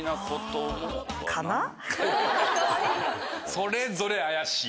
それぞれ怪しい。